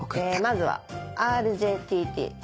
まずはＲＪＴＴ。